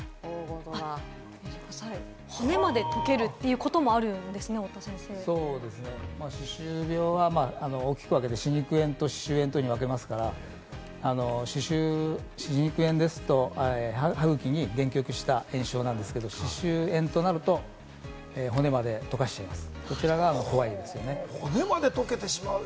骨まで溶けるということもあそうですね、歯周病は大きく分けて、歯肉炎と歯周炎に分かれますから、歯肉炎ですと歯ぐきに限局した炎症なんですけれども、歯周炎となると、骨まで溶かしちゃいます。